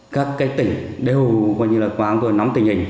các tỉnh đều vừa qua vừa nóng tình hình